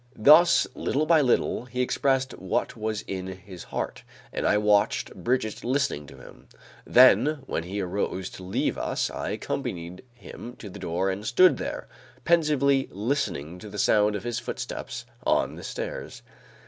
Thus, little by little, he expressed what was in his heart, and I watched Brigitte listening to him. Then, when he arose to leave us, I accompanied him to the door and stood there; pensively listening to the sound of his footsteps on the stairs.